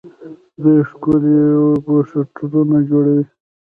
دوی ښکلي پوسټرونه جوړوي.